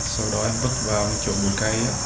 sau đó em bước vào chỗ bụi cây